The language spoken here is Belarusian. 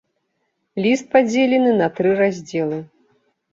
Ліст падзелены на тры раздзелы.